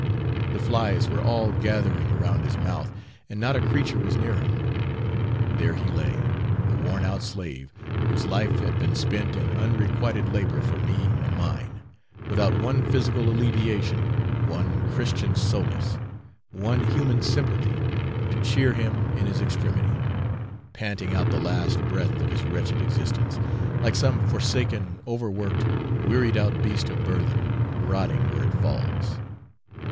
The flies were all gathering around his mouth, and not a creature was near him. There he lay, the worn out slave, whose life had been spent in unrequited labour for me and mine, without one physical alleviation, one Christian solace, one human sympathy, to cheer him in his extremity, panting out the last breath of his wretched existence, like some forsaken, over worked, wearied out beast of burthen, rotting where it falls!